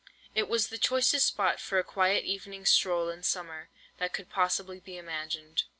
It was the choicest spot for a quiet evening stroll in summer that could possibly be imagined.